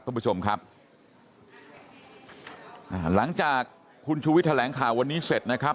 ท่านผู้ชมครับอ่าหลังจากคุณชูวิทย์แถลงข่าววันนี้เสร็จนะครับ